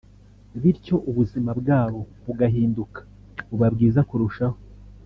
bityo ubuzima bwabo bugahinduka buba bwiza kurushaho